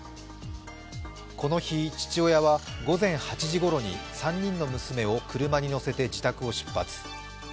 この日、父親は午前８時ごろに３人の娘を車に乗せて自宅を出発。